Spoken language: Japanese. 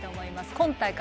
今大会